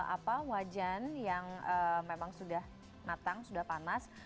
apa wajan yang memang sudah matang sudah panas